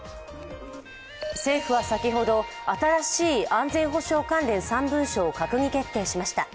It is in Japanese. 政府は先ほど、新しい安全保障関連３文書を閣議決定しました。